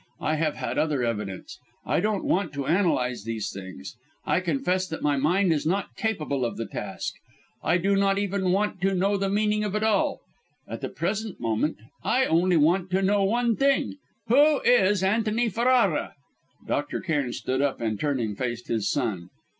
I have had other evidence. I don't want to analyse these things; I confess that my mind is not capable of the task. I do not even want to know the meaning of it all; at the present moment, I only want to know one thing: Who is Antony Ferrara?" Dr. Cairn stood up, and turning, faced his son.